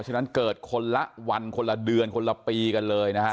ฉะนั้นเกิดคนละวันคนละเดือนคนละปีกันเลยนะฮะ